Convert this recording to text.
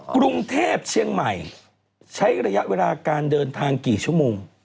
กรุงเทพเชียงใหม่ใช้ระยะเวลาการเดินทางกี่ชั่วโมง